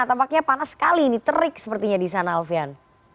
tampaknya panas sekali terik sepertinya di sana alvian